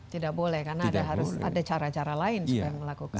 tidak boleh karena ada cara cara lain untuk melakukan